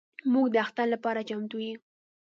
موږ د اختر لپاره چمتو یو.